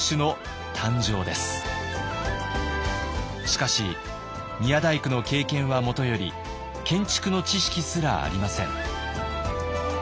しかし宮大工の経験はもとより建築の知識すらありません。